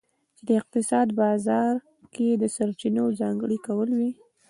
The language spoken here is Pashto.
چې د اقتصاد بازار کې د سرچینو ځانګړي کول وي.